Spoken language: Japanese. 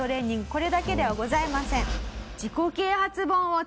これだけではございません。